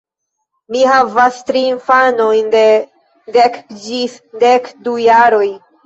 Mi havas tri infanojn de dek ĝis dek du jaroj.